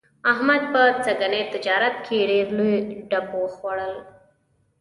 احمد په سږني تجارت کې ډېر لوی ډب وخوړلو.